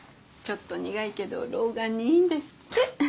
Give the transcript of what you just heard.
ちょっと苦いけど老眼にいいんですって。